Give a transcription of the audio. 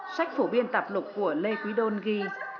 sách phổ biên tạp lục của lê quý đôn ghi